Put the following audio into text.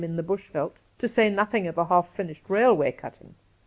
in the Bush veld, to say nothing of a half finished railway cutting.